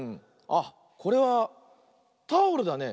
あっこれはタオルだね。